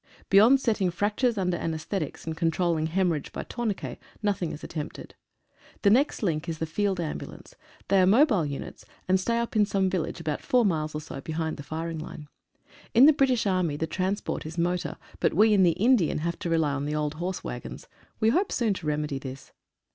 Beyond setting fractures under anaesthetics, and controlling hemorrhage by tourniquet, nothing is attempted The next link is the Field Ambulance. They are mobile units, and stay up in some village about four miles or 46 SYSTEM AND METHODS. so behind the firing line. In the British Army the trans port is motor, but we in the Indian have to rely on the old horse waggons. We hope soon to remedy this.